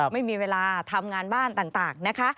ไม่มีเวลาทำงานบ้านต่างนะคะ